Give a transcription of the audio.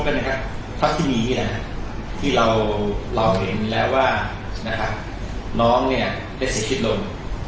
คุณนิลแล้วว่าน้องเนี่ยได้เสียคิดลม